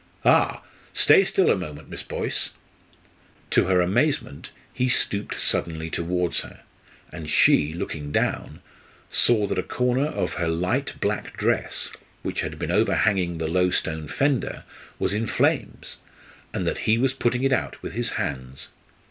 Ah! stay still a moment, Miss Boyce!" To her amazement he stooped suddenly towards her; and she, looking down, saw that a corner of her light, black dress, which had been overhanging the low stone fender, was in flames, and that he was putting it out with his hands.